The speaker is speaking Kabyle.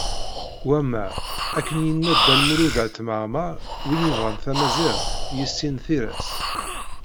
Wamma, akken yenna Dda Lmulud At Mɛemmer: "Win yebɣan tamaziɣt, yissin tira-s."